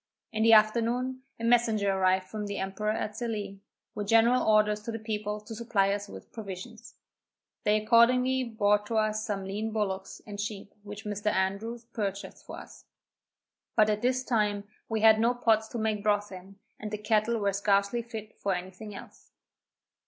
In the afternoon, a messenger arrived from the emperor at Sallee, with general orders to the people to supply us with provisions. They accordingly brought us some lean bullocks and sheep which Mr. Andrews purchased for us; but at this time we had no pots to make broth in, and the cattle were scarcely fit for any thing else.